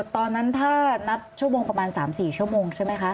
ตอนนั้นถ้านับชั่วโมงประมาณ๓๔ชั่วโมงใช่ไหมคะ